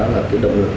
là cái động lực